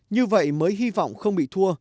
như vậy mới hy vọng không bị thua